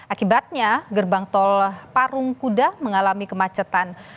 akibatnya gerbang tol parung kuda mengalami kemacetan